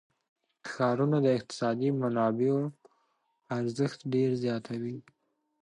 ښارونه د اقتصادي منابعو ارزښت ډېر زیاتوي.